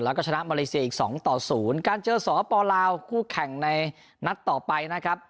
แล้วก็ชนะมาเลเซียอีกสองต่อศูนย์การเจอสปลาวคู่แข่งในนัดต่อไปนะครับ